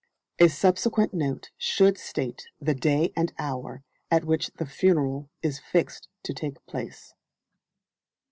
A subsequent note should state the day and hour at which the funeral is fixed to take place.